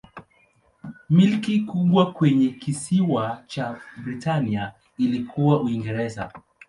Milki kubwa kwenye kisiwa cha Britania ilikuwa Uingereza.